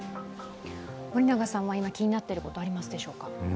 森永さんは、今、気になっていることはありますでしょうか。